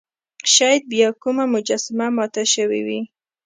شاید بیا کومه مجسمه ماته شوې وي.